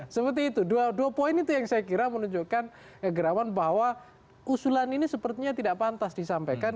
seperti itu dua poin itu yang saya kira menunjukkan kegerawan bahwa usulan ini sepertinya tidak pantas disampaikan